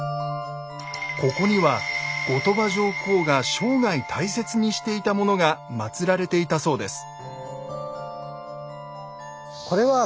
ここには後鳥羽上皇が生涯大切にしていたものがまつられていたそうです。